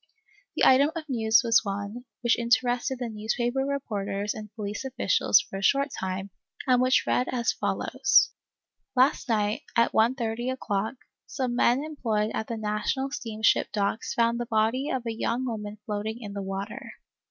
The item of news was one, which inter ested the newspaper reporters and police officials for a short time, and which read as follows :" Last night, at 1 130 o'clock, some men em ployed at the National steamship docks found the body of a young woman floating in the water.